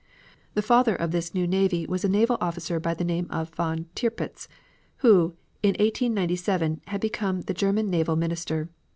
The father of this new navy was a naval officer by the name of von Tirpitz, who, in 1897, had become the German Naval Minister.